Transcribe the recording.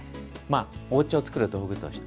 おうちを作る道具として。